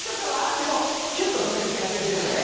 でも、きゅっと止める癖がついているんでね